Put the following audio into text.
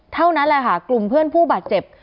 เท่านั้นแหละค่ะกลุ่มเพื่อนผู้บาดเจ็บ